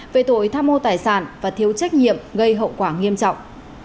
về tội tham mô tài sản và thiếu trách nhiệm gây hậu quả nghiêm trọng